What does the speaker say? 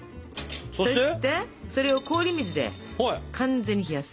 そしてそれを氷水で完全に冷やす。